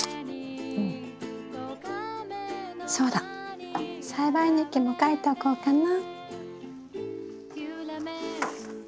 そうだ栽培日記も書いておこうかな。